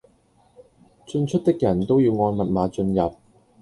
進出的人都要按密碼進入